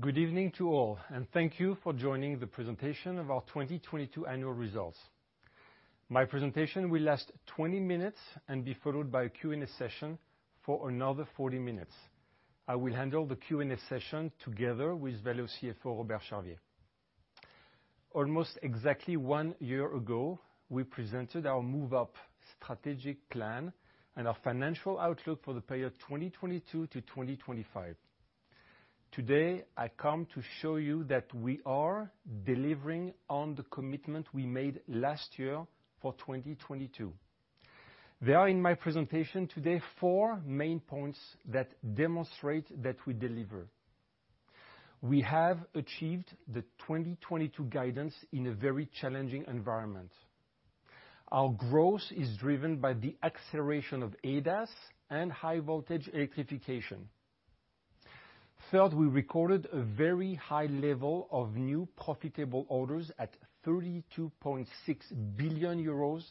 Good evening to all. Thank you for joining the presentation of our 2022 annual results. My presentation will last 20 minutes and be followed by a Q&A session for another 40 minutes. I will handle the Q&A session together with Valeo CFO Robert Charvier. Almost exactly one year ago, we presented our Move Up strategic plan and our financial outlook for the period 2022 to 2025. Today, I come to show you that we are delivering on the commitment we made last year for 2022. There are in my presentation today four main points that demonstrate that we deliver. We have achieved the 2022 guidance in a very challenging environment. Our growth is driven by the acceleration of ADAS and high voltage electrification. We recorded a very high level of new profitable orders at 32.6 billion euros,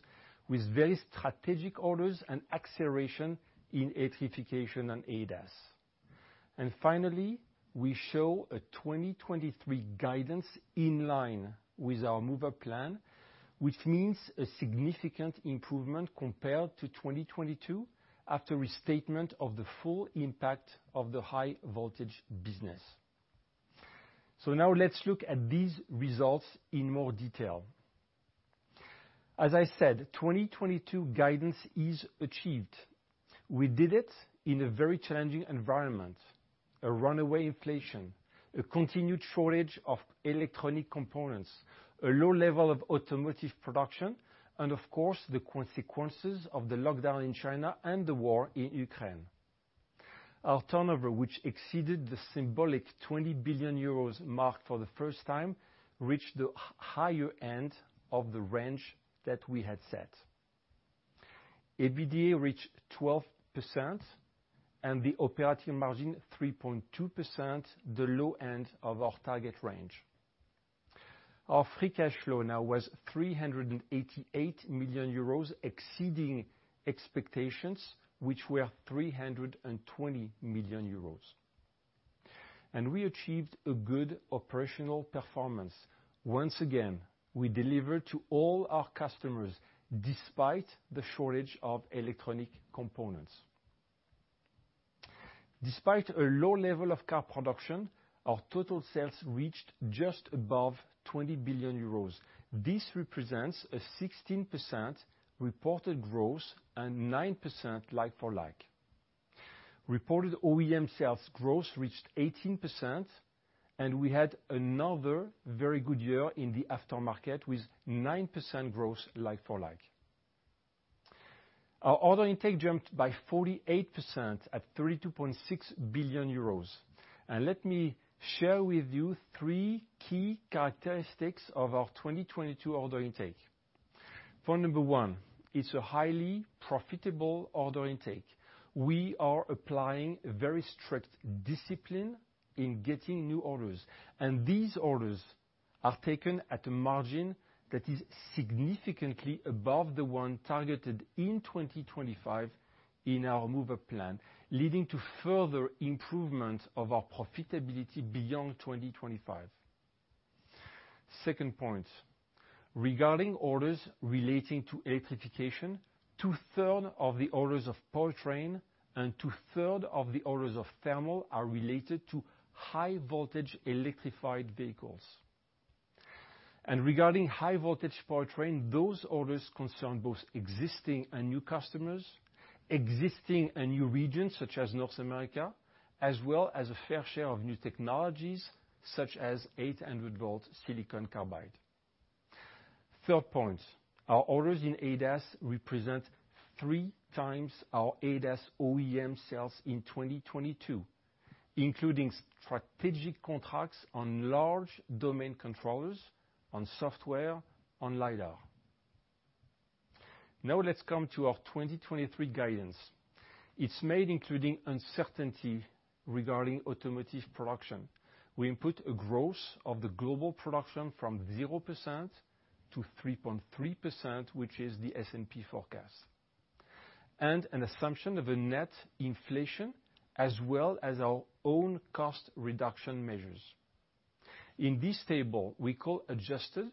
with very strategic orders and acceleration in electrification and ADAS. Finally, we show a 2023 guidance in line with our Move Up plan, which means a significant improvement compared to 2022 after a statement of the full impact of the high voltage business. Now let's look at these results in more detail. As I said, 2022 guidance is achieved. We did it in a very challenging environment: a runaway inflation, a continued shortage of electronic components, a low level of automotive production, and of course, the consequences of the lockdown in China and the war in Ukraine. Our turnover, which exceeded the symbolic 20 billion euros mark for the first time, reached the higher end of the range that we had set. EBITDA reached 12%, and the operating margin 3.2%, the low end of our target range. Our free cash flow now was 388 million euros, exceeding expectations, which were 320 million euros. We achieved a good operational performance. Once again, we delivered to all our customers despite the shortage of electronic components. Despite a low level of car production, our total sales reached just above 20 billion euros. This represents a 16% reported growth and 9% like for like. Reported OEM sales growth reached 18%, and we had another very good year in the aftermarket with 9% growth like for like. Our order intake jumped by 48% at 32.6 billion euros. Let me share with you three key characteristics of our 2022 order intake. For number 1, it's a highly profitable order intake. We are applying a very strict discipline in getting new orders. These orders are taken at a margin that is significantly above the one targeted in 2025 in our Move Up plan, leading to further improvement of our profitability beyond 2025. Second point, regarding orders relating to electrification, 2/3 of the orders of powertrain and 2/3 of the orders of thermal are related to high voltage electrified vehicles. Regarding high voltage powertrain, those orders concern both existing and new customers, existing and new regions such as North America, as well as a fair share of new technologies such as 800 volt silicon carbide. Third point, our orders in ADAS represent 3 times our ADAS OEM sales in 2022, including strategic contracts on large domain controllers, on software, on LIDAR. Let's come to our 2023 guidance. It's made including uncertainty regarding automotive production. We input a growth of the global production from 0% to 3.3%, which is the S&P forecast, and an assumption of a net inflation, as well as our own cost reduction measures. In this table, we call adjusted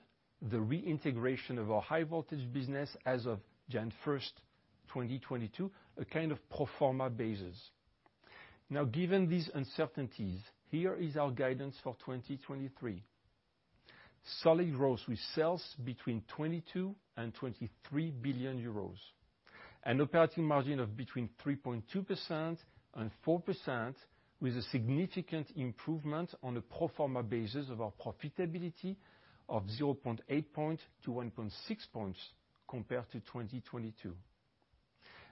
the reintegration of our high voltage business as of January 1st, 2022, a kind of pro forma basis. Given these uncertainties, here is our guidance for 2023. Solid growth with sales between 22 billion and 23 billion euros. An operating margin of between 3.2% and 4% with a significant improvement on a pro forma basis of our profitability of 0.8 percentage points to 1.6 percentage points compared to 2022.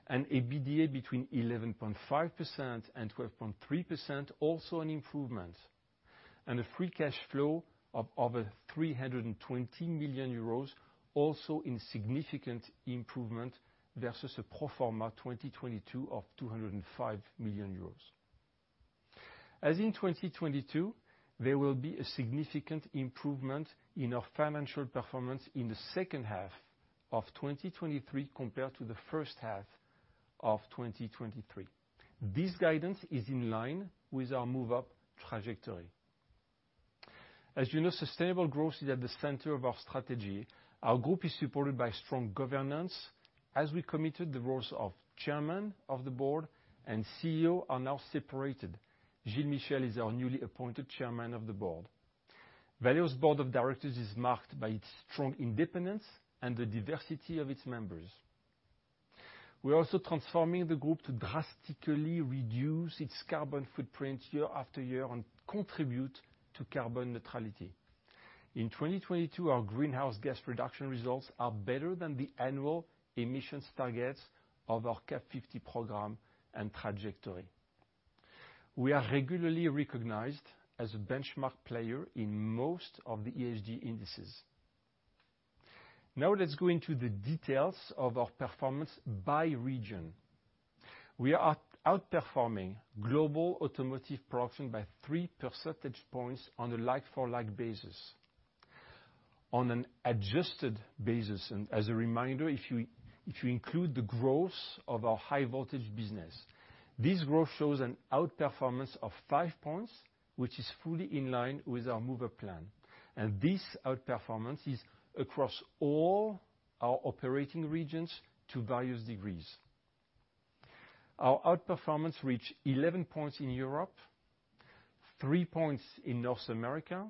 An EBITDA between 11.5% and 12.3%, also an improvement. A free cash flow of over 320 million euros, also in significant improvement versus a pro forma 2022 of 205 million euros. As in 2022, there will be a significant improvement in our financial performance in the second half of 2023 compared to the first half of 2023. This guidance is in line with our Move Up trajectory. As sustainable growth is at the center of our strategy. Our group is supported by strong governance. As we committed, the roles of chairman of the board and CEO are now separated. Gilles Michel is our newly appointed Chairman of the Board. Valeo's board of directors is marked by its strong independence and the diversity of its members. We're also transforming the group to drastically reduce its carbon footprint year after year and contribute to carbon neutrality. In 2022, our greenhouse gas reduction results are better than the annual emissions targets of our CAP 50 program and trajectory. We are regularly recognized as a benchmark player in most of the ESG indices. Let's go into the details of our performance by region. We are outperforming global automotive production by three percentage points on a like-for-like basis. On an adjusted basis, as a reminder, if you include the growth of our high voltage business, this growth shows an outperformance of 5 points, which is fully in line with our Move Up plan. This outperformance is across all our operating regions to various degrees. Our outperformance reach 11 points in Europe, 3 points in North America,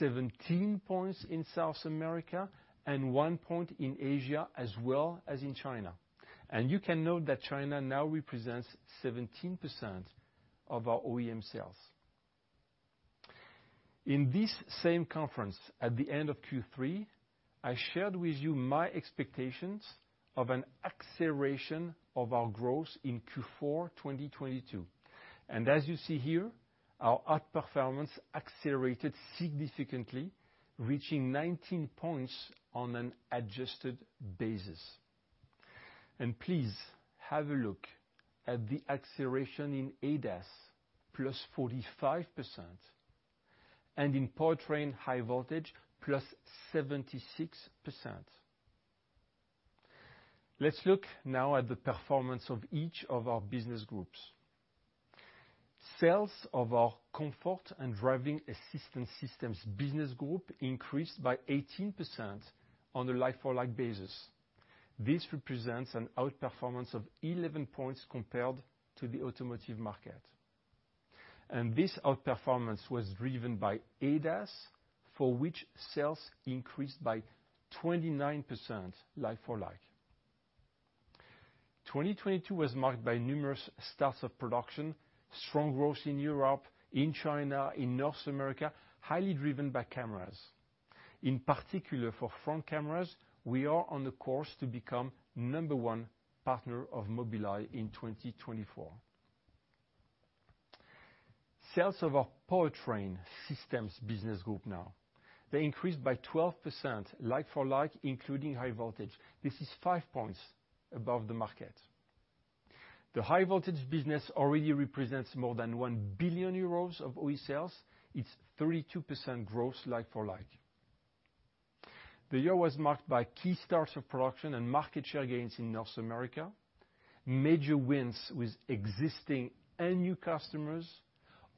17 points in South America, and 1 point in Asia, as well as in China. You can note that China now represents 17% of our OEM sales. In this same conference, at the end of Q3, I shared with you my expectations of an acceleration of our growth in Q4 2022. As you see here, our outperformance accelerated significantly, reaching 19 points on an adjusted basis. Please have a look at the acceleration in ADAS, +45%, and in powertrain high voltage, +76%. Let's look now at the performance of each of our business groups. Sales of our comfort and driving assistance systems business group increased by 18% on a like-for-like basis. This represents an outperformance of 11 points compared to the automotive market. This outperformance was driven by ADAS, for which sales increased by 29% like-for-like. 2022 was marked by numerous starts of production, strong growth in Europe, in China, in North America, highly driven by cameras. In particular, for front cameras, we are on the course to become number one partner of Mobileye in 2024. Sales of our powertrain systems business group now. They increased by 12% like for like, including high voltage. This is 5 points above the market. The high voltage business already represents more than 1 billion euros of OE sales. It's 32% growth like for like. The year was marked by key starts of production and market share gains in North America, major wins with existing and new customers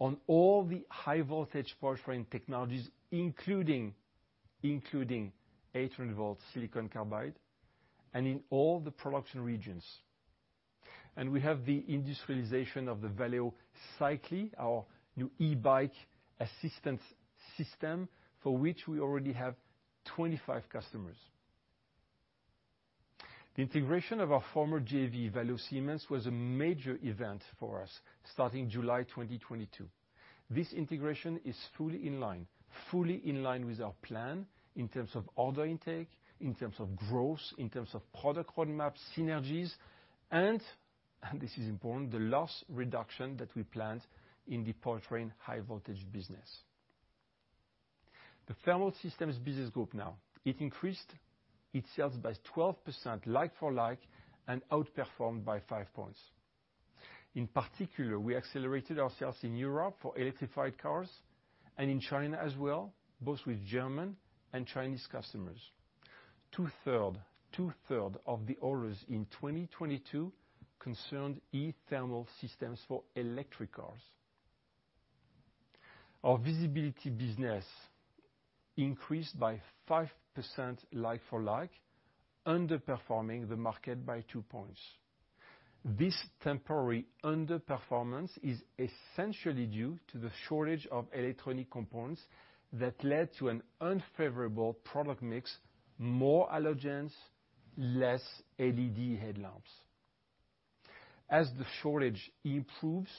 on all the high voltage powertrain technologies, including 800 volt silicon carbide and in all the production regions. We have the industrialization of the Valeo Cyclee, our new e-bike assistance system, for which we already have 25 customers. The integration of our former JV, Valeo Siemens, was a major event for us starting July 2022. This integration is fully in line with our plan in terms of order intake, in terms of growth, in terms of product roadmap synergies, and this is important, the loss reduction that we planned in the powertrain high voltage business. The Thermal Systems business group now. It increased its sales by 12% like for like and outperformed by 5 points. In particular, we accelerated our sales in Europe for electrified cars and in China as well, both with German and Chinese customers. Two-third of the orders in 2022 concerned e-thermal systems for electric cars. Our visibility business increased by 5% like for like, underperforming the market by 2 points. This temporary underperformance is essentially due to the shortage of electronic components that led to an unfavorable product mix, more halogens, less LED headlamps. As the shortage improves,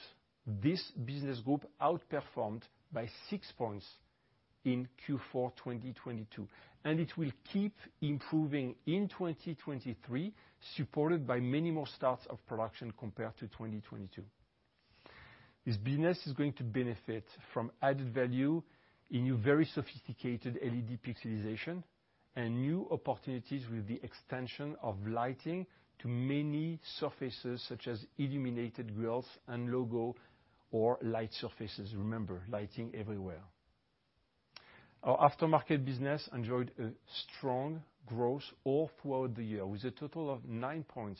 this business group outperformed by 6 points in Q4 2022. It will keep improving in 2023, supported by many more starts of production compared to 2022. This business is going to benefit from added value in new very sophisticated LED pixelization and new opportunities with the extension of lighting to many surfaces, such as illuminated grills and logo or light surfaces. Remember, lighting everywhere. Our aftermarket business enjoyed a strong growth all throughout the year, with a total of 9%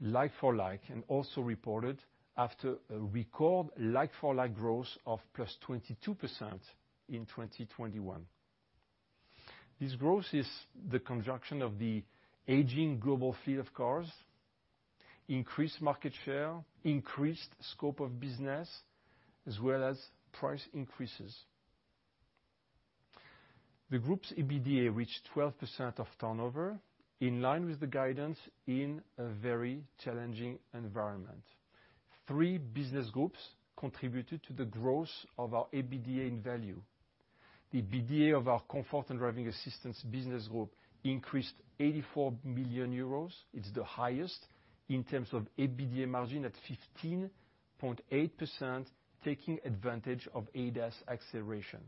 like-for-like. Also reported after a record like-for-like growth of +22% in 2021. This growth is the conjunction of the aging global fleet of cars, increased market share, increased scope of business, as well as price increases. The group's EBITDA reached 12% of turnover, in line with the guidance in a very challenging environment. Three business groups contributed to the growth of our EBITDA in value. The EBITDA of our comfort and driving assistance business group increased 84 million euros. It's the highest in terms of EBITDA margin at 15.8%, taking advantage of ADAS acceleration.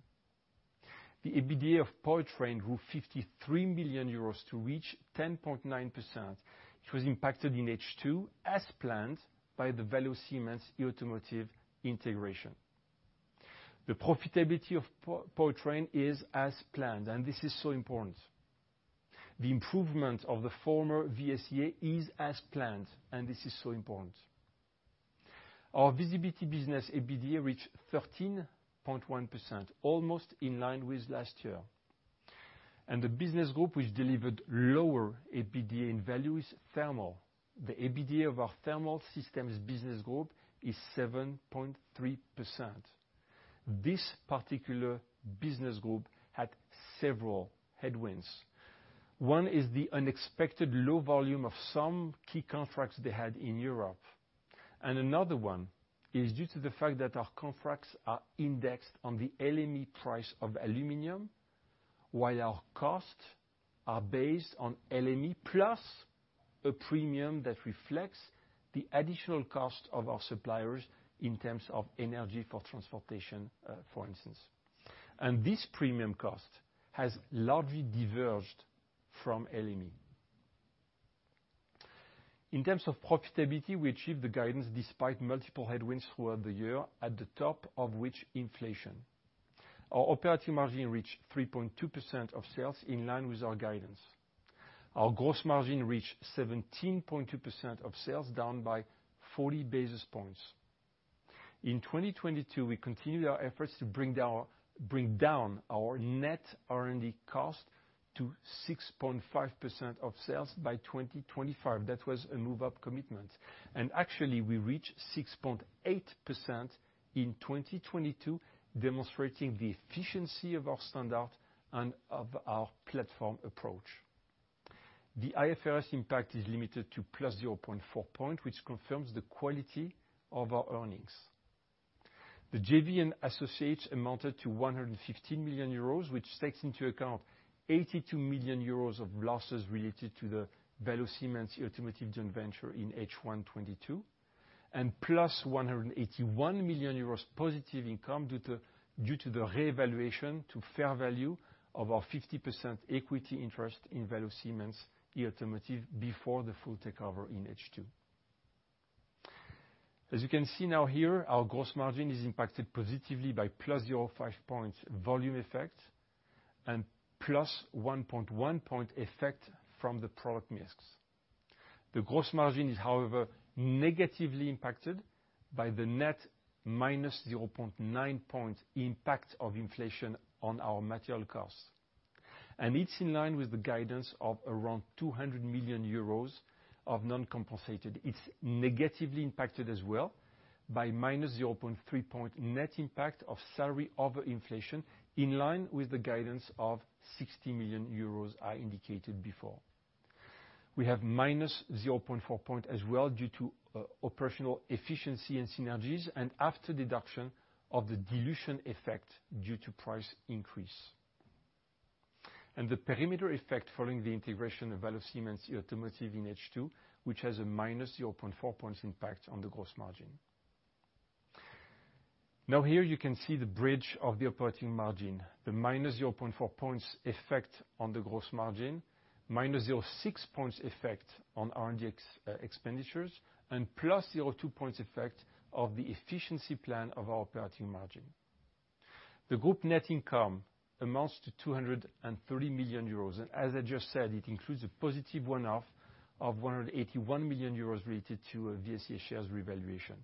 The EBITDA of Powertrain grew 53 million euros to reach 10.9%, which was impacted in H2 as planned by the Valeo Siemens eAutomotive integration. The profitability of Powertrain is as planned. This is so important. The improvement of the former VSeA is as planned. This is so important. Our visibility business EBITDA reached 13.1%, almost in line with last year. The business group which delivered lower EBITDA in value is Thermal. The EBITDA of our Thermal Systems business group is 7.3%. This particular business group had several headwinds. One is the unexpected low volume of some key contracts they had in Europe, and another one is due to the fact that our contracts are indexed on the LME price of aluminum, while our costs are based on LME plus a premium that reflects the additional cost of our suppliers in terms of energy for transportation, for instance. This premium cost has largely diverged from LME. In terms of profitability, we achieved the guidance despite multiple headwinds throughout the year, at the top of which, inflation. Our operating margin reached 3.2% of sales in line with our guidance. Our gross margin reached 17.2% of sales, down by 40 basis points. In 2022, we continued our efforts to bring down our net R&D cost to 6.5% of sales by 2025. That was a Move Up commitment. Actually, we reached 6.8% in 2022, demonstrating the efficiency of our standard and of our platform approach. The IFRS impact is limited to +0.4 point, which confirms the quality of our earnings. The JV and associates amounted to 115 million euros, which takes into account 82 million euros of losses related to the Valeo Siemens eAutomotive joint venture in H1 2022, + 181 million euros positive income due to the reevaluation to fair value of our 50% equity interest in Valeo Siemens eAutomotive before the full takeover in H2. As you can see now here, our gross margin is impacted positively by +0.5 point volume effect +1.1 point effect from the product mix. The gross margin is, however, negatively impacted by the net -0.9 point impact of inflation on our material costs. It's in line with the guidance of around 200 million euros of non-compensated. It's negatively impacted as well by -0.3 points net impact of salary over inflation, in line with the guidance of 60 million euros I indicated before. We have -0.4 points as well due to operational efficiency and synergies, and after deduction of the dilution effect due to price increase. The perimeter effect following the integration of Valeo Siemens eAutomotive in H2, which has a -0.4 points impact on the gross margin. Here you can see the bridge of the operating margin, the -0.4 points effect on the gross margin, -0.6 points effect on R&D expenditures, and +0.2 points effect of the efficiency plan of our operating margin. The group net income amounts to 230 million euros, and as I just said, it includes a positive one-off of 181 million euros related to VSeA shares revaluation.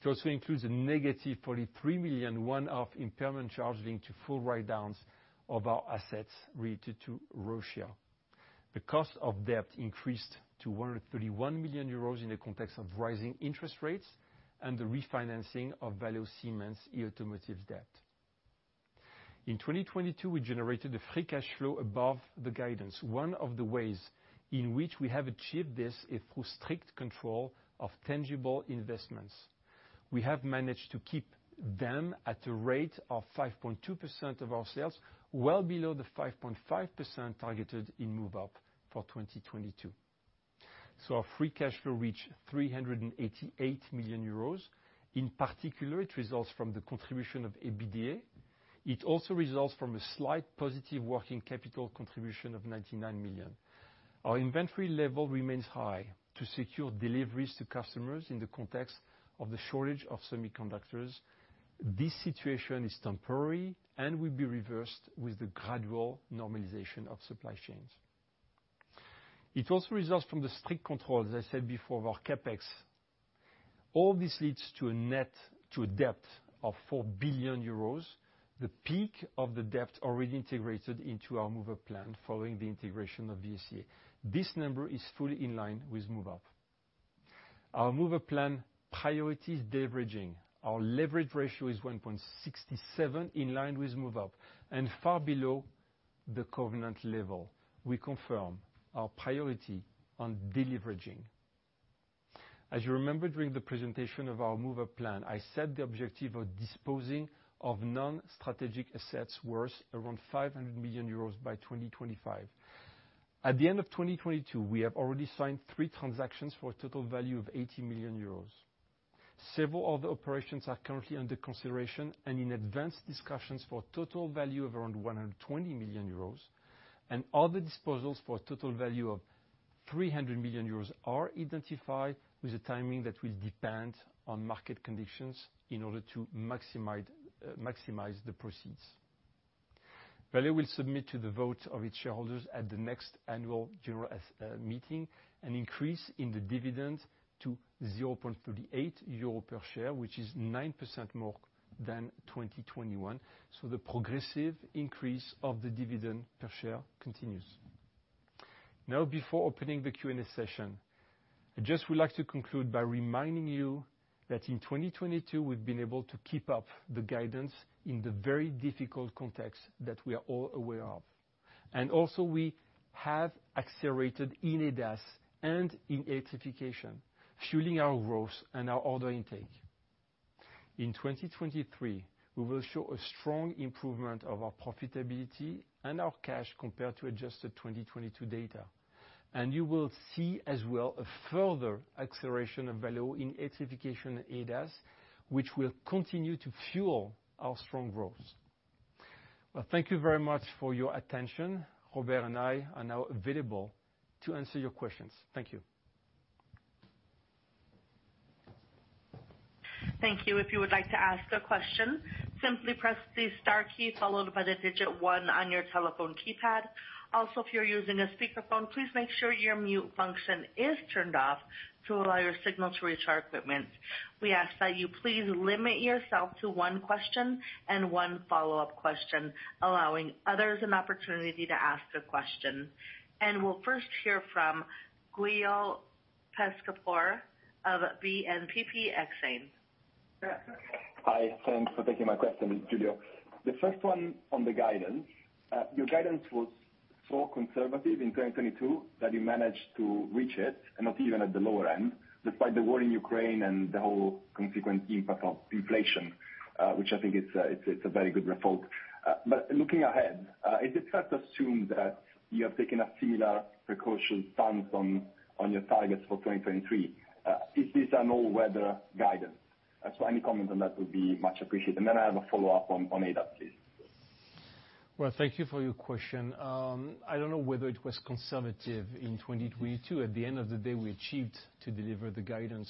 It also includes a negative 43 million one-off impairment charge linked to full write-downs of our assets related to Russia. The cost of debt increased to 131 million euros in the context of rising interest rates and the refinancing of Valeo Siemens eAutomotive's debt. In 2022, we generated a free cash flow above the guidance. One of the ways in which we have achieved this is through strict control of tangible investments. We have managed to keep them at a rate of 5.2% of our sales, well below the 5.5% targeted in Move Up for 2022. Our free cash flow reached 388 million euros. In particular, it results from the contribution of EBITDA. It also results from a slight positive working capital contribution of 99 million. Our inventory level remains high to secure deliveries to customers in the context of the shortage of semiconductors. This situation is temporary and will be reversed with the gradual normalization of supply chains. It also results from the strict control, as I said before, of our CapEx. All this leads to a net-to a debt of 4 billion euros, the peak of the debt already integrated into our Move Up plan following the integration of VSeA. This number is fully in line with Move Up. Our Move Up plan priority is de-leveraging. Our leverage ratio is 1.67, in line with Move Up and far below the covenant level. We confirm our priority on de-leveraging. As you remember, during the presentation of our Move Up plan, I set the objective of disposing of non-strategic assets worth around 500 million euros by 2025. At the end of 2022, we have already signed three transactions for a total value of 80 million euros. Several other operations are currently under consideration and in advanced discussions for total value of around 120 million euros. Other disposals for a total value of 300 million euros are identified, with a timing that will depend on market conditions in order to maximize the proceeds. Valeo will submit to the vote of its shareholders at the next annual general meeting an increase in the dividend to 0.38 euro per share, which is 9% more than 2021. The progressive increase of the dividend per share continues. Now, before opening the Q&A session, I just would like to conclude by reminding you that in 2022, we've been able to keep up the guidance in the very difficult context that we are all aware of. We have accelerated in ADAS and in electrification, fueling our growth and our order intake. In 2023, we will show a strong improvement of our profitability and our cash compared to adjusted 2022 data. You will see as well a further acceleration of Valeo in electrification and ADAS, which will continue to fuel our strong growth. Well, thank you very much for your attention. Robert and I are now available to answer your questions. Thank you. Thank you. If you would like to ask a question, simply press the star key followed by the digit one on your telephone keypad. If you're using a speakerphone, please make sure your mute function is turned off to allow your signal to reach our equipment. We ask that you please limit yourself to one question and one follow-up question, allowing others an opportunity to ask a question. We'll first hear from Giulio Pescatore of BNPP Exane. Hi. Thanks for taking my question, Giulio. The first one on the guidance. Your guidance was so conservative in 2022 that you managed to reach it, and not even at the lower end, despite the war in Ukraine and the whole consequent impact of inflation, which I think is, it's a very good result. Looking ahead, is it fair to assume that you have taken a similar precaution stance on your targets for 2023? Is this an all-weather guidance? Any comments on that would be much appreciated. Then I have a follow-up on ADAS, please. Well, thank you for your question. I don't know whether it was conservative in 2022. At the end of the day, we achieved to deliver the guidance.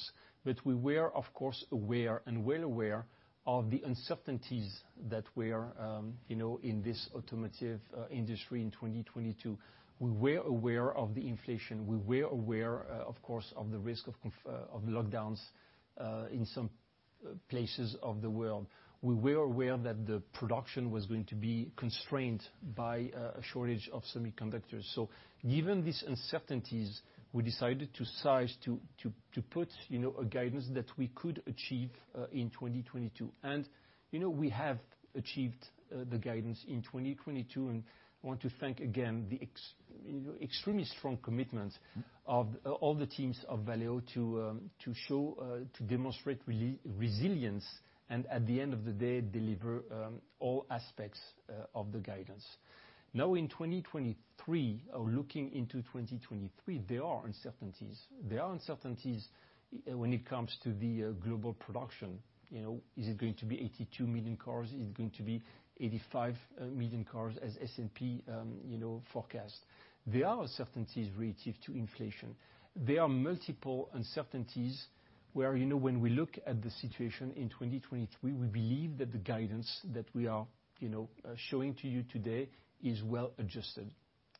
We were, of course, aware and well aware of the uncertainties that were in this automotive industry in 2022. We were aware of the inflation. We were aware, of course, of the risk of lockdowns in some places of the world. We were aware that the production was going to be constrained by a shortage of semiconductors. Given these uncertainties, we decided to size to put a guidance that we could achieve in 2022. we have achieved the guidance in 2022, and I want to thank again the extremely strong commitment of all the teams of Valeo to show, to demonstrate resilience and, at the end of the day, deliver all aspects of the guidance. Now in 2023 or looking into 2023, there are uncertainties. There are uncertainties when it comes to the global production. is it going to be 82 million cars? Is it going to be 85 million cars as S&P forecast? There are uncertainties relative to inflation. There are multiple uncertainties where, when we look at the situation in 2023, we believe that the guidance that we are, showing to you today is well-adjusted,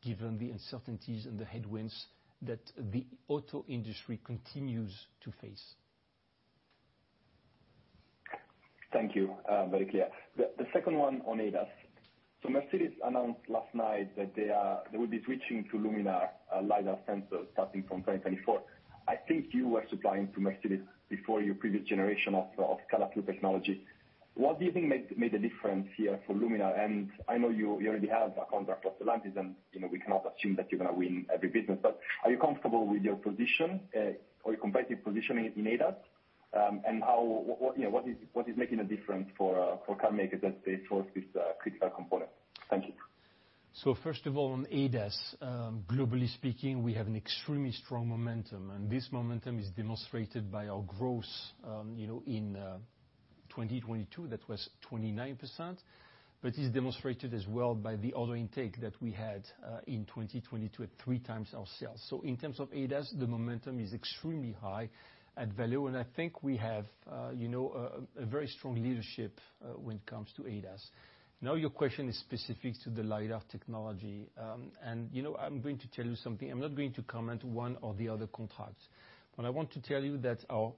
given the uncertainties and the headwinds that the auto industry continues to face. Thank you. Very clear. The second one on ADAS. Mercedes announced last night that they will be switching to Luminar LIDAR sensors starting from 2024. I think you were supplying to Mercedes before your previous generation of SCALA 3 technology. What do you think made a difference here for Luminar? I know you already have a contract with Stellantis and, we cannot assume that you're going to win every business. Are you comfortable with your position or your competitive positioning in ADAS? How, what is making a difference for carmakers as they choose this critical component? Thank you. First of all, on ADAS, globally speaking, we have an extremely strong momentum, and this momentum is demonstrated by our growth in 2022, that was 29%. It's demonstrated as well by the order intake that we had in 2022 at three times our sales. In terms of ADAS, the momentum is extremely high at Valeo, and I think we have, a very strong leadership when it comes to ADAS. Now, your question is specific to the LIDAR technology. I'm going to tell you something. I'm not going to comment one or the other contracts. What I want to tell you that our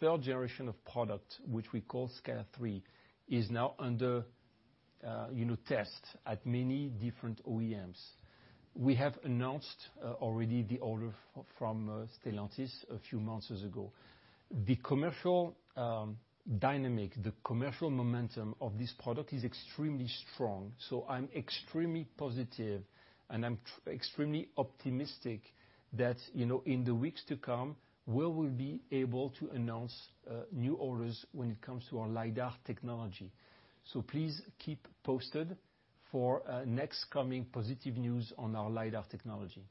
third generation of product, which we call SCALA3, is now under, test at many different OEMs. We have announced, already the order from Stellantis a few months ago. The commercial dynamic, the commercial momentum of this product is extremely strong. I'm extremely positive, and I'm extremely optimistic that, in the weeks to come, we will be able to announce new orders when it comes to our lidar technology. Please keep posted for next coming positive news on our lidar technology.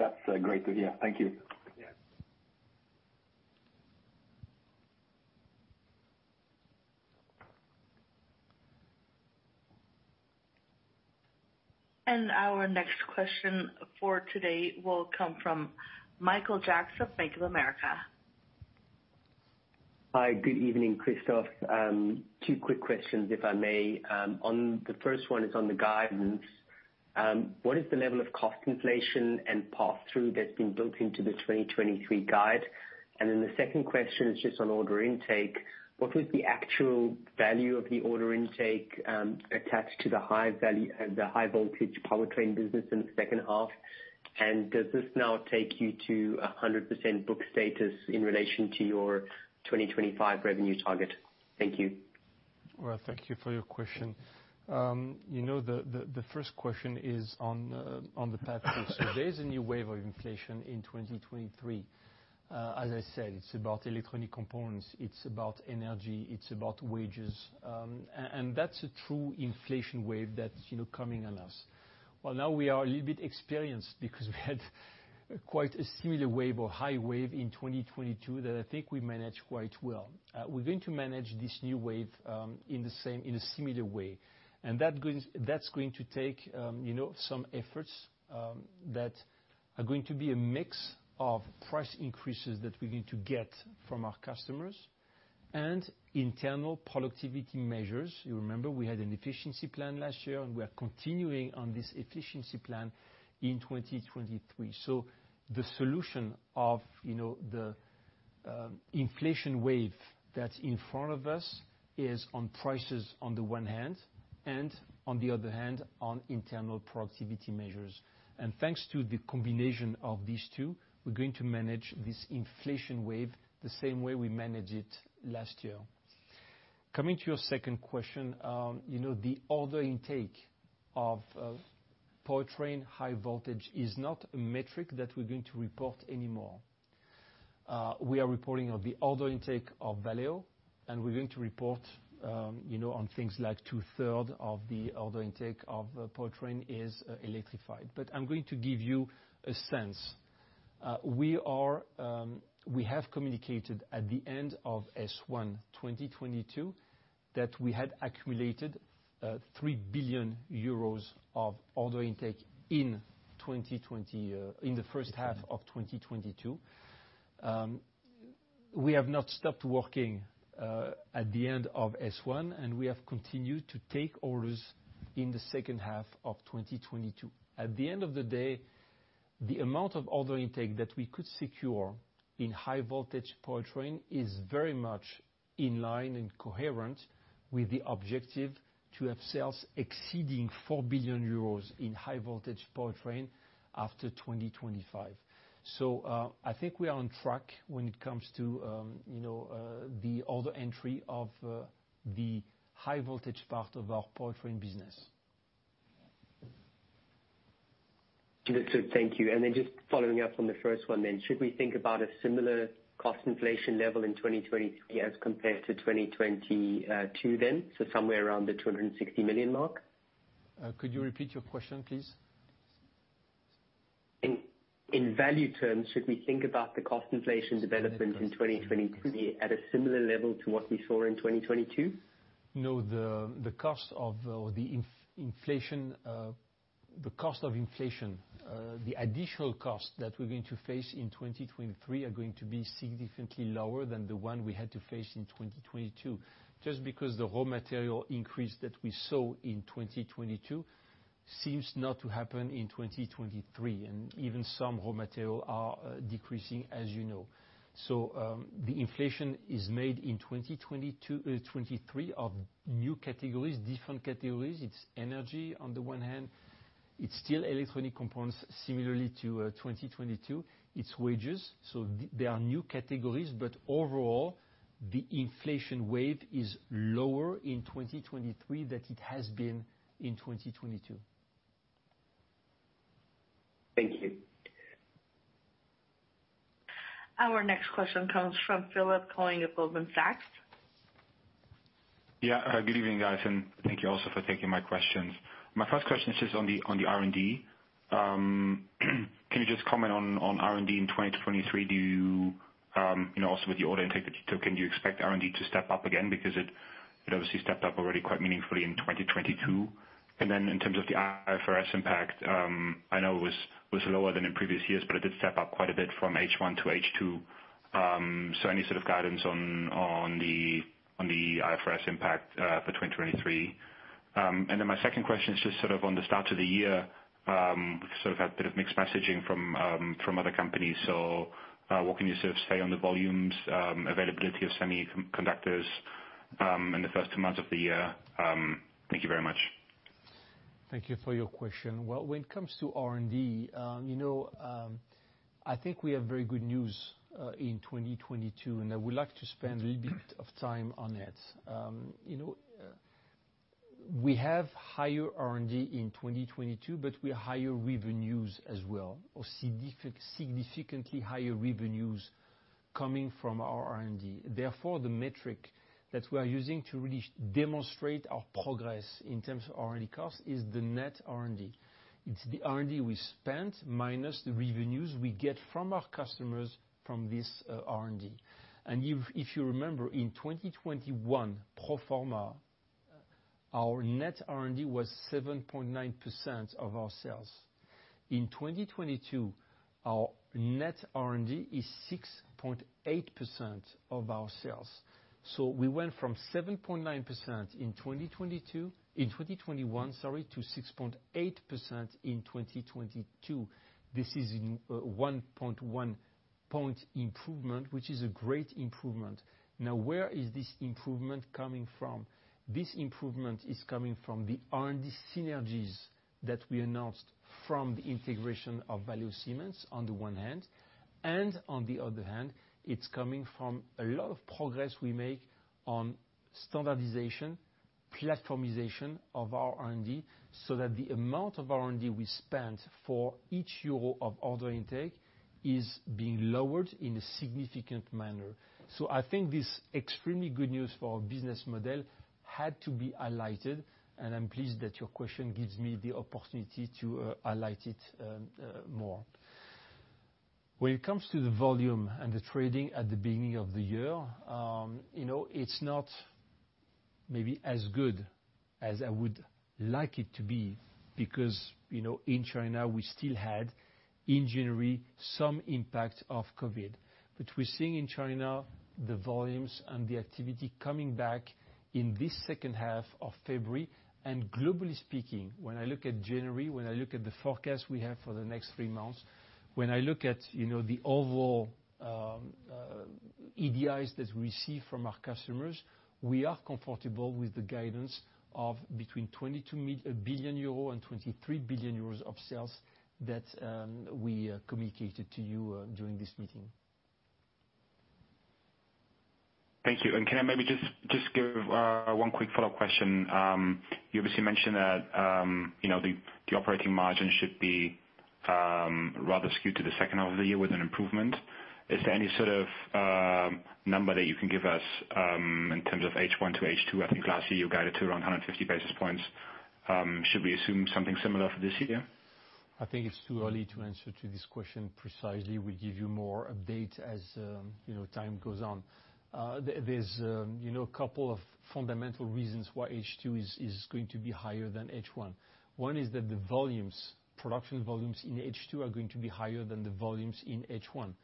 That's great to hear. Thank you. Yes. Our next question for today will come from Michael Jacks, Bank of America. Hi. Good evening, Christophe. Two quick questions, if I may. On the first one is on the guidance. What is the level of cost inflation and pass-through that's been built into the 2023 guide? The second question is just on order intake. What was the actual value of the order intake attached to the high voltage powertrain business in the second half? Does this now take you to a 100% book status in relation to your 2025 revenue target? Thank you. Well, thank you for your question. The first question is on the pass-through. There's a new wave of inflation in 2023. As I said, it's about electronic components, it's about energy, it's about wages. And that's a true inflation wave that's coming on us. Well, now we are a little bit experienced because we had quite a similar wave or high wave in 2022 that I think we managed quite well. We're going to manage this new wave in the same, in a similar way. That's going to take some efforts that are going to be a mix of price increases that we're going to get from our customers and internal productivity measures. You remember we had an efficiency plan last year, we are continuing on this efficiency plan in 2023. The solution of the inflation wave that's in front of us is on prices, on the one hand, and on the other hand, on internal productivity measures. Thanks to the combination of these two, we're going to manage this inflation wave the same way we managed it last year. Coming to your second question the order intake of powertrain high voltage is not a metric that we're going to report anymore. We are reporting on the order intake of Valeo, and we're going to report on things like 2/3 of the order intake of powertrain is electrified. I'm going to give you a sense. We have communicated at the end of S one 2022 that we had accumulated 3 billion euros of order intake in 2020, in the first half of 2022. We have not stopped working at the end of S one, and we have continued to take orders in the second half of 2022. At the end of the day, the amount of order intake that we could secure in high-voltage powertrain is very much in line and coherent with the objective to have sales exceeding 4 billion euros in high-voltage powertrain after 2025. I think we are on track when it comes to the order entry of the high-voltage part of our powertrain business. Good. Good. Thank you. Just following up on the first one, should we think about a similar cost inflation level in 2023 as compared to 2022, so somewhere around the 260 million mark? Could you repeat your question, please? In value terms, should we think about the cost inflation development in 2023 at a similar level to what we saw in 2022? The cost of inflation, the additional costs that we're going to face in 2023 are going to be significantly lower than the one we had to face in 2022, just because the raw material increase that we saw in 2022 seems not to happen in 2023, and even some raw material are decreasing, as. The inflation is made in 2022, 2023 of new categories, different categories. It's energy on the one hand. It's still electronic components, similarly to 2022. It's wages. There are new categories. Overall, the inflation wave is lower in 2023 than it has been in 2022. Thank you. Our next question comes from Philipp Koenig Goldman Sachs. Yeah. Good evening, guys, and thank you also for taking my questions. My first question is just on the R&D. Can you just comment on R&D in 2020-2023? Do also with the order intake that you took, can you expect R&D to step up again because it obviously stepped up already quite meaningfully in 2022. In terms of the IFRS impact, I know it was lower than in previous years, but it did step up quite a bit from H1 to H2. Any sort of guidance on the IFRS impact for 2023? My second question is just sort of on the start to the year, we sort of had a bit of mixed messaging from other companies. What can you sort of say on the volumes, availability of semiconductors, in the first two months of the year? Thank you very much. Thank you for your question. Well, when it comes to R&D, we have very good news in 2022, and I would like to spend a little bit of time on that. We have higher R&D in 2022, but we have higher revenues as well, or significantly higher revenues coming from our R&D. Therefore, the metric that we are using to really demonstrate our progress in terms of R&D costs is the net R&D. It's the R&D we spent minus the revenues we get from our customers from this R&D. If you remember in 2021 pro forma, our net R&D was 7.9% of our sales. In 2022, our net R&D is 6.8% of our sales. We went from 7.9% in 2021, sorry, to 6.8% in 2022. This is 1.1 point improvement, which is a great improvement. Now, where is this improvement coming from? This improvement is coming from the R&D synergies that we announced from the integration of Valeo Siemens on the one hand, and on the other hand, it's coming from a lot of progress we make on standardization, platformization of our R&D, so that the amount of R&D we spent for each EUR of order intake is being lowered in a significant manner. I think this extremely good news for our business model had to be highlighted, and I'm pleased that your question gives me the opportunity to highlight it more. When it comes to the volume and the trading at the beginning of the year, it's not maybe as good as I would like it to be because, in China we still had, in January, some impact of COVID. We're seeing in China the volumes and the activity coming back in this second half of February. Globally speaking, when I look at January, when I look at the forecast we have for the next three months, when I look at the overall EDI that we see from our customers, we are comfortable with the guidance of between 22 billion euro and 23 billion euros of sales that we communicated to you during this meeting. Thank you. Can I maybe just give one quick follow-up question? You obviously mentioned that the operating margin should be rather skewed to the second half of the year with an improvement. Is there any sort of number that you can give us in terms of H1 to H2? I think last year you guided to around 150 basis points. Should we assume something similar for this year? I think it's too early to answer to this question precisely. We'll give you more update as time goes on. There's a couple of fundamental reasons why H two is going to be higher than H one. One is that the volumes, production volumes in H two are going to be higher than the volumes in H one.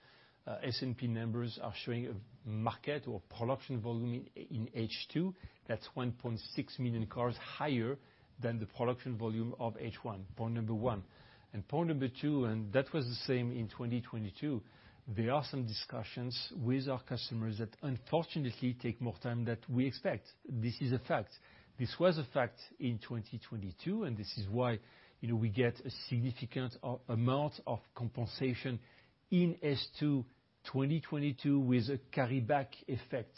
S&P numbers are showing a market or production volume in H two that's 1.6 million cars higher than the production volume of H one, point number one. Point number two, and that was the same in 2022, there are some discussions with our customers that unfortunately take more time than we expect. This is a fact. This was a fact in 2022, this is why we get a significant amount of compensation in H 2 2022 with a carry-back effect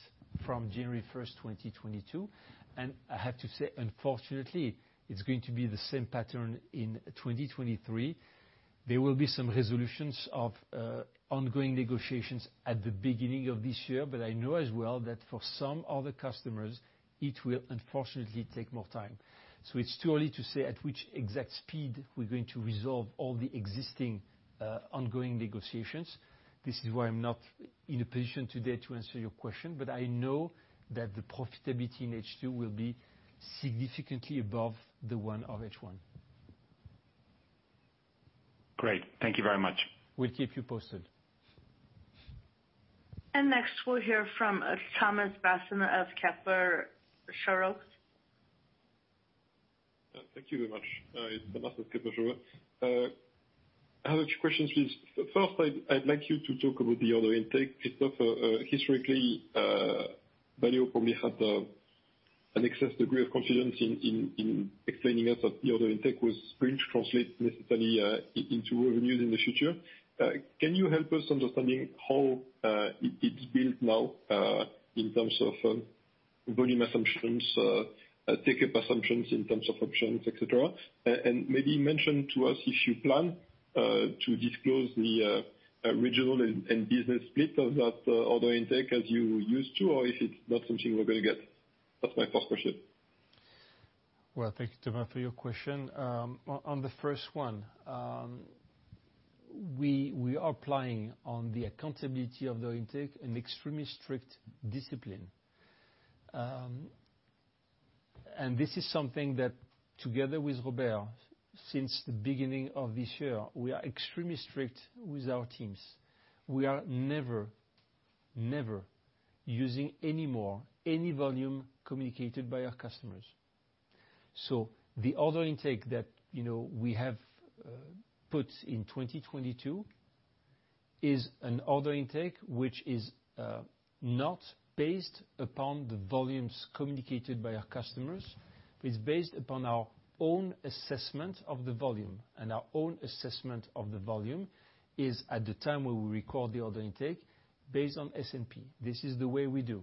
from January 1st, 2022. I have to say, unfortunately, it's going to be the same pattern in 2023. There will be some resolutions of ongoing negotiations at the beginning of this year, I know as well that for some other customers, it will unfortunately take more time. It's too early to say at which exact speed we're going to resolve all the existing ongoing negotiations. This is why I'm not in a position today to answer your question. I know that the profitability in H 2 will be significantly above the one of H 1. Great. Thank you very much. We'll keep you posted. Next we'll hear from Thomas Besson of Kepler Cheuvreux. Thank you very much. It's Thomas of Kepler Cheuvreux. I have a few questions, please. First, I'd like you to talk about the order intake. Historically, Valeo probably had an excess degree of confidence in explaining us that the order intake was going to translate necessarily into revenues in the future. Can you help us understanding how it's built now in terms of volume assumptions, take-up assumptions in terms of options, et cetera. Maybe mention to us if you plan to disclose the regional and business split of that order intake as you used to, or if it's not something we're going to get. That's my first question. Thank you, Thomas, for your question. On the first one, we are applying on the accountability of the intake an extremely strict discipline. This is something that together with Robert, since the beginning of this year, we are extremely strict with our teams. We are never using any more any volume communicated by our customers. The order intake that we have put in 2022 is an order intake which is not based upon the volumes communicated by our customers. It's based upon our own assessment of the volume, our own assessment of the volume is at the time when we record the order intake based on S&P. This is the way we do.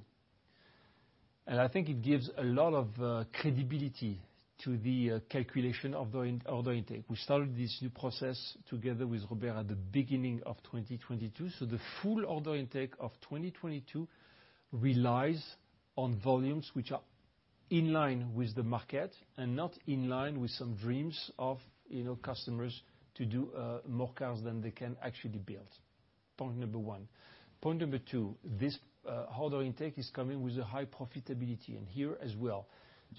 I think it gives a lot of credibility to the calculation of the order intake. We started this new process together with Robert at the beginning of 2022, so the full order intake of 2022 relies on volumes which are in line with the market and not in line with some dreams of customers to do more cars than they can actually build. Point number one. Point number two, this order intake is coming with a high profitability. Here as well,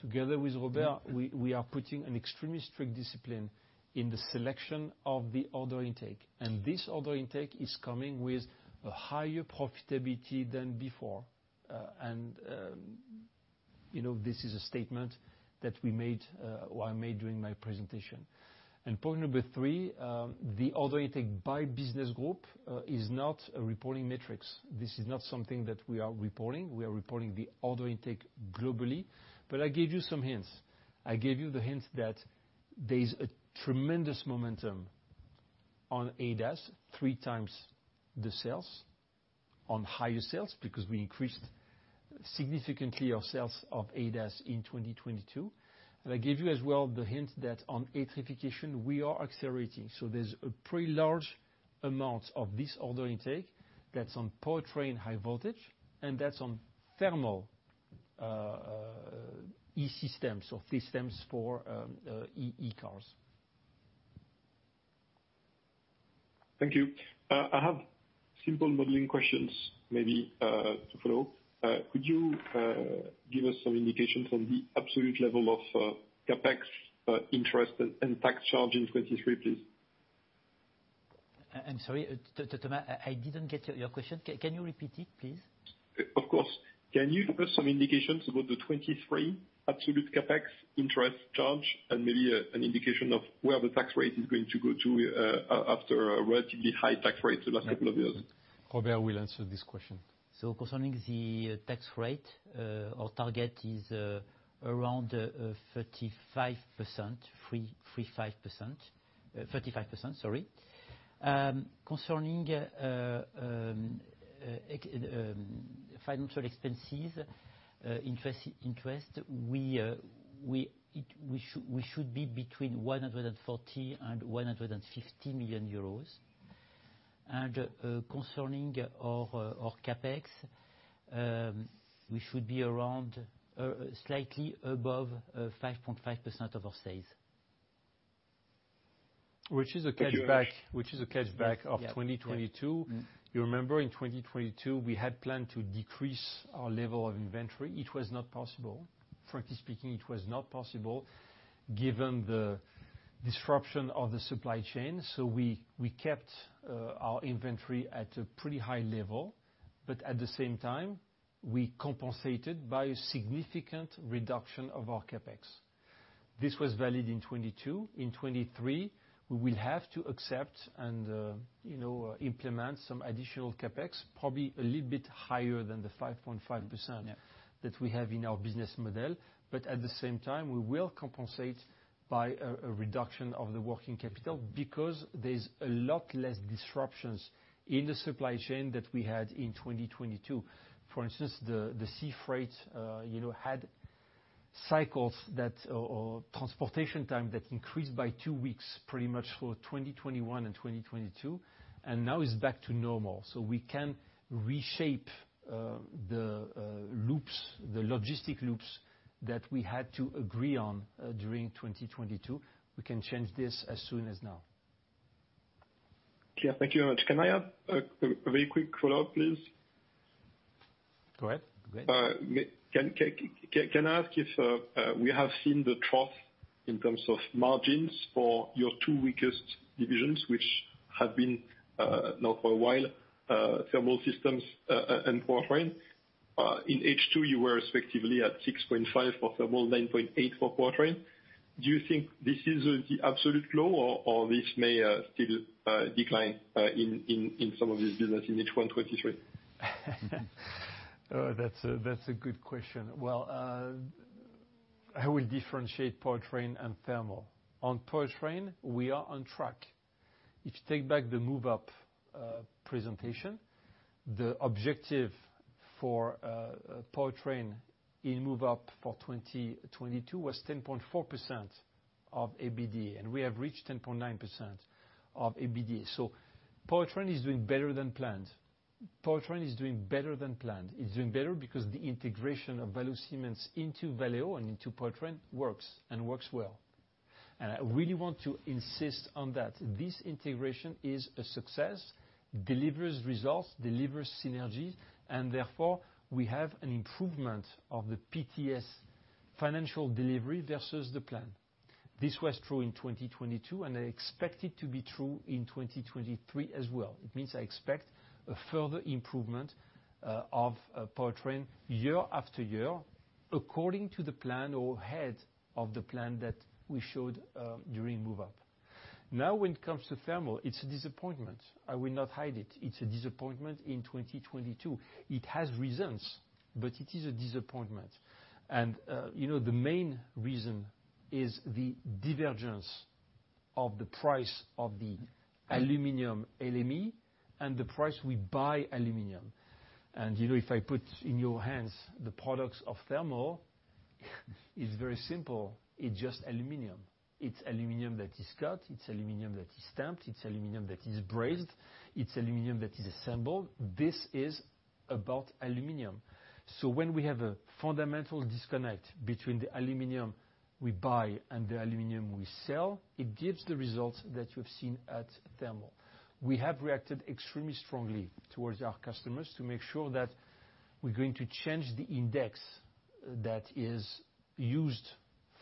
together with Robert, we are putting an extremely strict discipline in the selection of the order intake. This order intake is coming with a higher profitability than before this is a statement that we made or I made during my presentation. Point number three, the order intake by business group is not a reporting metrics. This is not something that we are reporting. We are reporting the order intake globally. I gave you some hints. I gave you the hints that there's a tremendous momentum on ADAS, 3 times the sales on higher sales because we increased significantly our sales of ADAS in 2022. I gave you as well the hint that on electrification we are accelerating, so there's a pretty large amount of this order intake that's on powertrain high voltage and that's on thermal e-systems or systems for e-cars. Thank you. I have simple modeling questions maybe to follow. Could you give us some indications on the absolute level of CapEx, interest and tax charge in 2023, please? I'm sorry, Thomas, I didn't get your question. Can you repeat it, please? Of course. Can you give us some indications about the 2023 absolute CapEx interest charge and maybe an indication of where the tax rate is going to go to after a relatively high tax rate the last couple of years? Robert will answer this question. concerning the tax rate, our target is around 35%, sorry. concerning financial expenses, interest, we should be between 140 million and 150 million euros. concerning our CapEx, we should be around or slightly above 5.5% of our sales. Which is a catch back of 2022. You remember in 2022 we had planned to decrease our level of inventory. It was not possible. Frankly speaking, it was not possible given the disruption of the supply chain. We kept our inventory at a pretty high level. At the same time, we compensated by significant reduction of our CapEx. This was valid in 2022. In 2023, we will have to accept and implement some additional CapEx, probably a little bit higher than the 5.5%- Yeah. that we have in our business model. At the same time, we will compensate by a reduction of the working capital because there's a lot less disruptions in the supply chain that we had in 2022. For instance, the sea freight had cycles that or transportation time that increased by two weeks, pretty much for 2021 and 2022, and now it's back to normal. We can reshape the loops, the logistic loops that we had to agree on during 2022. We can change this as soon as now. Clear. Thank you very much. Can I add a very quick follow-up, please? Go ahead. Can I ask if we have seen the trough in terms of margins for your two weakest divisions which have been now for a while, Thermal Systems and Powertrain. In H2, you were respectively at 6.5% for Thermal, 9.8% for Powertrain. Do you think this is the absolute low or this may still decline in some of this business in H1 2023? Oh, that's a good question. Well, I will differentiate powertrain and thermal. On powertrain, we are on track. If you take back the Move Up presentation, the objective for powertrain in Move Up for 2022 was 10.4% of EBITDA, and we have reached 10.9% of EBITDA. Powertrain is doing better than planned. It's doing better because the integration of Valeo Siemens into Valeo and into powertrain works, and works well. I really want to insist on that. This integration is a success, delivers results, delivers synergies, and therefore we have an improvement of the PTS financial delivery versus the plan. This was true in 2022, and I expect it to be true in 2023 as well. It means I expect a further improvement of powertrain year after year according to the plan or ahead of the plan that we showed during Move Up. When it comes to thermal, it's a disappointment. I will not hide it. It's a disappointment in 2022. It has reasons, it is a disappointment. the main reason is the divergence of the price of the aluminum LME and the price we buy aluminum. If I put in your hands the products of thermal, it's very simple: it's just aluminum. It's aluminum that is cut, it's aluminum that is stamped, it's aluminum that is braised, it's aluminum that is assembled. This is about aluminum. When we have a fundamental disconnect between the aluminum we buy and the aluminum we sell, it gives the results that you've seen at thermal. We have reacted extremely strongly towards our customers to make sure that we're going to change the index that is used